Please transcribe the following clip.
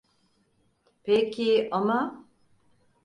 Peki ama…